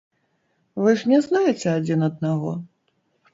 Вы ж не знаеце адзін аднаго?